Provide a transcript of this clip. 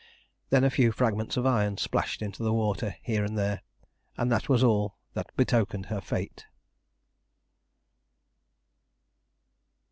Then a few fragments of iron splashed into the water here and there, and that was all that betokened her fate.